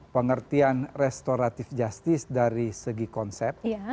pengertian restoratif justice dari segi konsep